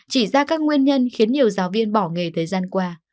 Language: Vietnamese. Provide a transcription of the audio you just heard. chỉ ra các nguyên nhân khiến nhiều giáo viên bỏ nghề thời gian qua